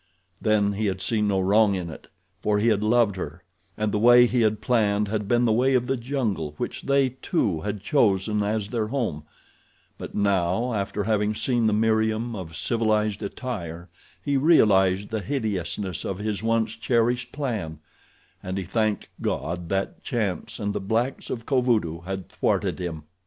Then he had seen no wrong in it, for he had loved her, and the way he had planned had been the way of the jungle which they two had chosen as their home; but now, after having seen the Meriem of civilized attire, he realized the hideousness of his once cherished plan, and he thanked God that chance and the blacks of Kovudoo had thwarted him.